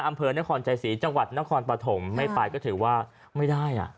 อำเภอนครใจศรีจังหวัดนครปฐมไม่ไปก็ถือว่าไม่ได้อ่ะ